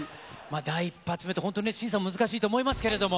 第１発目って、本当にね、審査も難しいと思いますけど。